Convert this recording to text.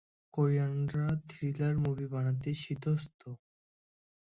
কোরিয়ানরা thriller movie বানাতে সিদ্ধহস্ত।